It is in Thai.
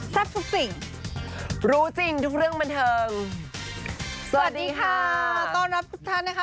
ทุกสิ่งรู้จริงทุกเรื่องบันเทิงสวัสดีค่ะต้อนรับทุกท่านนะคะ